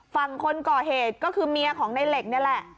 ฝั่งคนก่อเหตุก็คือเมียของในเหล็กนี่แหละ